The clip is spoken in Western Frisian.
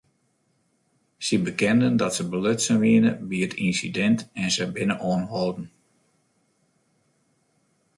Sy bekenden dat se belutsen wiene by it ynsidint en se binne oanholden.